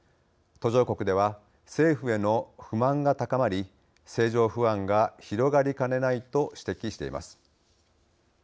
途上国では政府への不満が高まり政情不安が広がりかねない」と指摘しています。